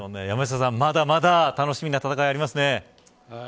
山下さん、まだまだ楽しみな戦いがありますね。